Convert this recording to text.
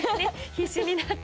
必死になって。